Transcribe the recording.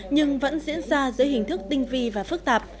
nhưng vẫn diễn ra dưới hình thức tinh vi và phức tạp